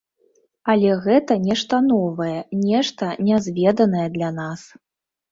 Але гэта нешта новае, нешта нязведанае для нас.